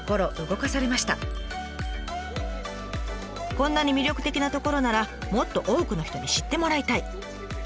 「こんなに魅力的な所ならもっと多くの人に知ってもらいたい」。